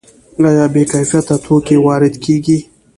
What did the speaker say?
آیا بې کیفیته توکي وارد کیږي؟